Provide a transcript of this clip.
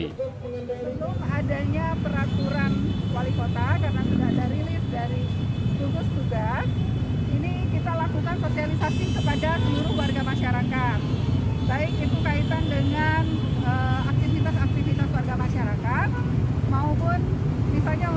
sebelum adanya peraturan wali kota karena sudah ada rilis dari jum'us tugas